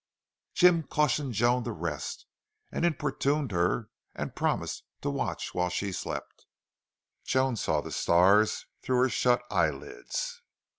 Jim cautioned Joan to rest, and importuned her and promised to watch while she slept. Joan saw the stars through her shut eyelids.